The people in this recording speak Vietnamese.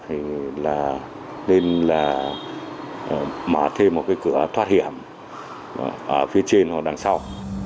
thì là nên là mở thêm một cái cửa thoát hiểm ở phía trên hoặc đằng sau